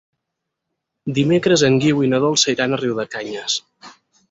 Dimecres en Guim i na Dolça iran a Riudecanyes.